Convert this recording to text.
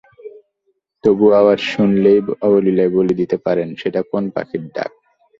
তবু আওয়াজ শুনেই অবলীলায় বলে দিতে পারেন সেটা কোন পাখির ডাক।